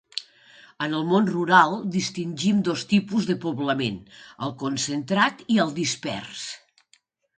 En el món rural distingim dos tipus de poblament: el concentrat i el dispers.